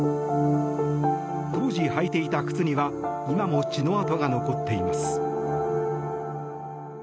当時、履いていた靴には今も血の痕が残っています。